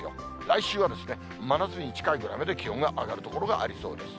来週は真夏日に近いぐらいまで気温が上がる所がありそうです。